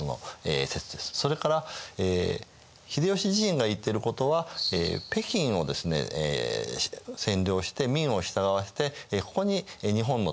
それから秀吉自身が言ってることは北京を占領して明を従わせてここに日本の天皇を置くと。